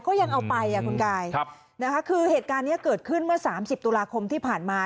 ก็ยังเอาไปอ่ะคุณกายนะคะคือเหตุการณ์นี้เกิดขึ้นเมื่อ๓๐ตุลาคมที่ผ่านมา